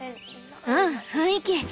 うん雰囲気。